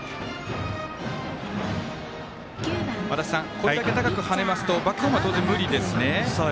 これだけ高く跳ねますとバックホームは当然、無理ですね。